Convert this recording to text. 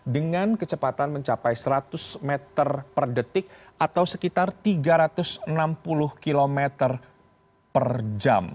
dengan kecepatan mencapai seratus meter per detik atau sekitar tiga ratus enam puluh km per jam